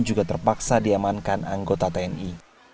juga terpaksa diamankan anggota tni